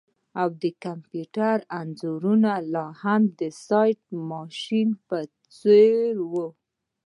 او د کمپیوټر انځور لاهم د سلاټ ماشین په څیر و